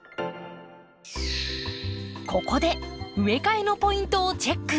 ここで植え替えのポイントをチェック。